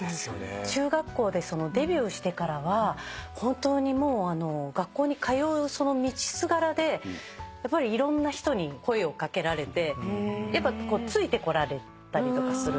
中学校でデビューしてからは本当にもうあの学校に通うその道すがらでやっぱりいろんな人に声を掛けられてやっぱついてこられたりとかするんです。